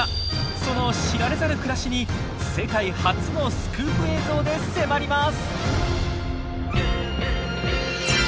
その知られざる暮らしに世界初のスクープ映像で迫ります！